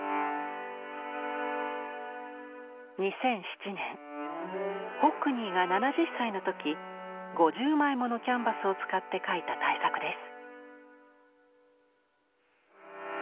２００７年ホックニーが７０歳の時５０枚ものキャンバスを使って描いた大作です。